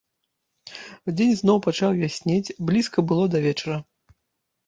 Дзень зноў пачаў яснець, блізка было да вечара.